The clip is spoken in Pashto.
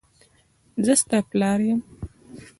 زه ستا پلار یم.